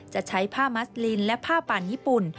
จะใช้ผ้ามัสลินและผ้าป่านญี่ปุ่น